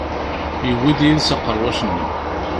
Yewwi-d yid-s aqerwac-nni.